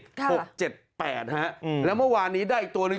หกเจ็ดแปดฮะอืมแล้วเมื่อวานนี้ได้อีกตัวหนึ่ง